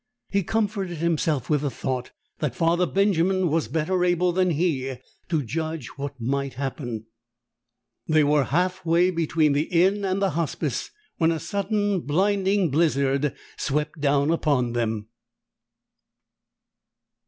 He comforted himself with the thought that Father Benjamin was better able than he to judge what might happen. They were halfway between the inn and the Hospice when a sudden, blinding blizzard swept down upon them.